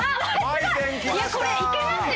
これいけますよ！